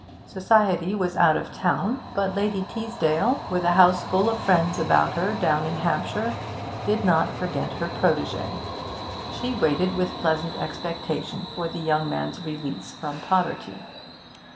Society was out of town, but Lady Teasdale, with a house full of friends about her down in Hampshire, did not forget her protégé; she waited with pleasant expectation for the young man's release from poverty.